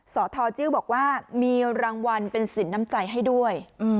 สทจิ้วบอกว่ามีรางวัลเป็นสินน้ำใจให้ด้วย